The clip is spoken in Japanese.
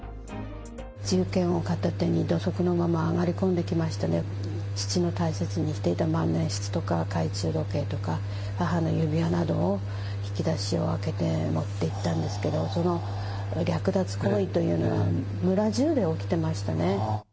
銃剣を片手に、土足のまま上がり込んできましてね、父の大切にしていた万年筆とか懐中時計とか、母の指輪などを、引き出しを開けて持っていったんですけど、その略奪行為というのは、村中で起きてましたね。